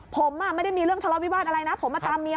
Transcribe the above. ผมไม่ได้มีเรื่องทะเลาวิวาสอะไรนะผมมาตามเมีย